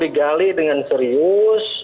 jadi kita harus berpikir dengan serius